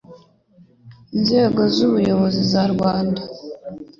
Inzego z ubuyobozi za rwanda